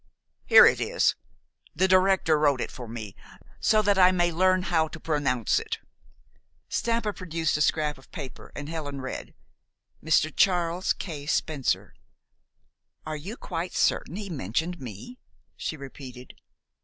"Here it is. The director wrote it for me, so that I may learn how to pronounce it." Stampa produced a scrap of paper, and Helen read, "Mr. Charles K. Spencer." "Are you quite certain he mentioned me?" she repeated.